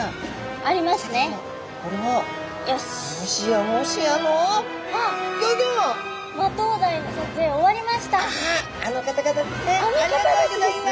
あああの方々ですね。